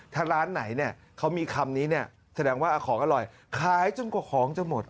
ถ้าร้านไหนเนี่ยเขามีคำนี้เนี่ยแสดงว่าของอร่อยขายจนกว่าของจะหมด